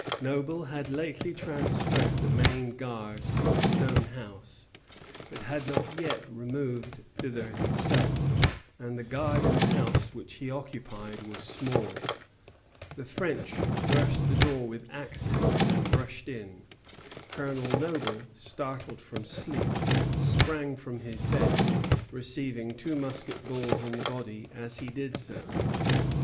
Noble had lately transferred the main guard to the stone house, but had not yet removed thither himself, and the guard in the house which he occupied was small. The French burst the door with axes, and rushed in. Colonel Noble, startled from sleep, sprang from his bed, receiving two musket balls in the body as he did so.